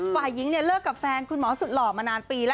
ฝ่ายหญิงเนี่ยเลิกกับแฟนคุณหมอสุดหล่อมานานปีแล้ว